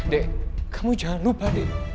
dek kamu jangan lupa dek